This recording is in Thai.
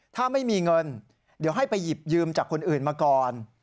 ถ้าไม่มีเงินเดี๋ยวให้ไปหยิบยืมจากคนอื่นมาก่อน